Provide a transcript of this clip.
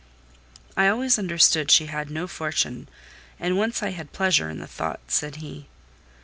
"I always understood she had no fortune; and once I had pleasure in the thought," said he.